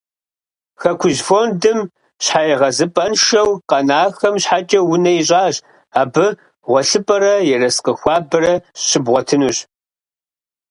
«Хэкужь» фондым щхьэегъэзыпӏэншэу къэнахэм щхьэкӏэ унэ ищӏащ. Абы гъуэлъыпӏэрэ ерыскъы хуабэрэ щыбгъуэтынущ.